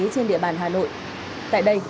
trên địa bàn hà nội tại đây